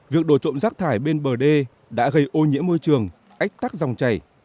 việc đổi trộm rắp thải bên bờ đê đã gây ô nhiễm môi trường ách tắc dòng chảy